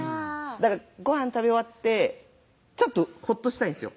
だからごはん食べ終わってちょっとほっとしたいんすよ